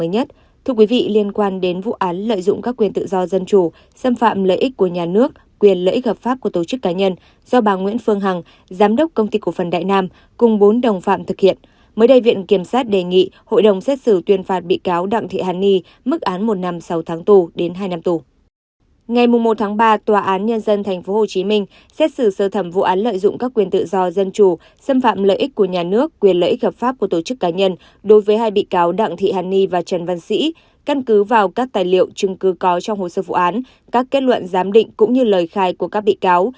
hôm một tháng ba tòa án nhân dân tp hcm xét xử sơ thẩm vụ án lợi dụng các quyền tự do dân chủ xâm phạm lợi ích của nhà nước quyền lợi ích hợp pháp của tổ chức cá nhân đối với hai bị cáo đặng thị hàn ni và trần văn sĩ căn cứ vào các tài liệu chứng cứ có trong hồ sơ vụ án các kết luận giám định cũng như lời khai của các bị cáo